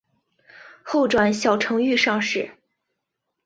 后转小承御上士。